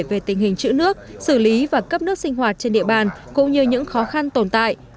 về tình hình chữ nước xử lý và cấp nước sinh hoạt trên địa bàn cũng như những khó khăn tồn tại